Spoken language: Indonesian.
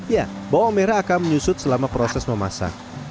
ya bawang merah akan menyusut selama proses memasak